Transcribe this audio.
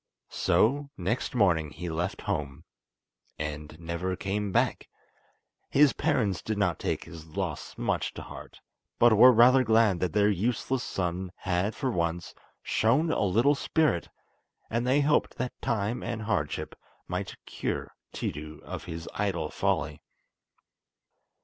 So next morning he left home—and never came back! His parents did not take his loss much to heart, but were rather glad that their useless son had for once shown a little spirit, and they hoped that time and hardship might cure Tiidu of his idle folly.